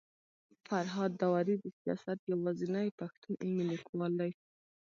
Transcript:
فرهاد داوري د سياست يوازنی پښتون علمي ليکوال دی